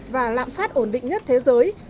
và lạm phát ổn định nhất thế giới